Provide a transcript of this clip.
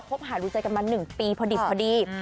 คบหาดูใจกันมา๑ปีพอดี